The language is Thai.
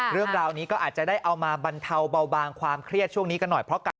เรื่องราวนี้ก็อาจจะได้เอามาบรรเทาเบาบางความเครียดช่วงนี้กันหน่อยเพราะกัน